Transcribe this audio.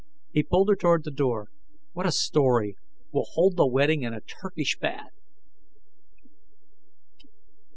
He pulled her toward the door. "What a story! We'll hold the wedding in a Turkish Bath."